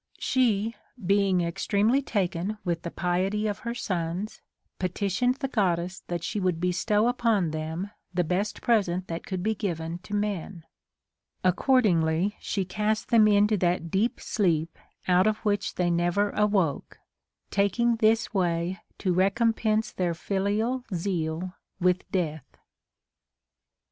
She, be ing extremely taken with the piety of her sons, petitioned the Goddess that she Avould bestow upon them the best present that could be given to men ; accordingly she cast them into that deep sleep out of which they never awoke, taking this way to recompense their filial zeal with death.